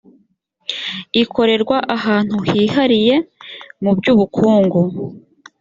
ikorerwa ahantu hihariye mu by’ubukungu